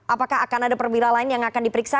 apakah akan ada perwira lain yang akan diperiksa